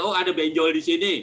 oh ada benjol di sini